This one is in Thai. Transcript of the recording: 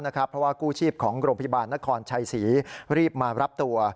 เพราะว่ากู้ชีพของโรงพยาบาลนครชัยศรีรีบมารับตัว